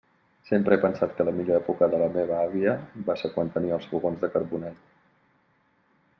Sempre he pensat que la millor època de la meva àvia va ser quan tenia els fogons de carbonet.